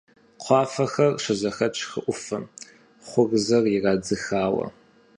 Кхъуафэхэр щызэхэтщ хы Ӏуфэм, хъурзэр ирадзыхауэ.